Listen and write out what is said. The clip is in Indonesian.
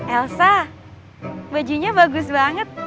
elsa bajunya bagus banget